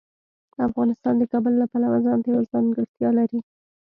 افغانستان د کابل له پلوه ځانته یوه ځانګړتیا لري.